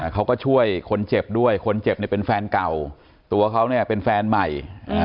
เขาก็ช่วยคนเจ็บด้วยคนเจ็บเนี่ยเป็นแฟนเก่าตัวเขาเนี่ยเป็นแฟนใหม่